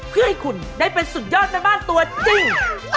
เพื่อให้คุณได้เป็นสุดยอดแม่บ้านตัวจริง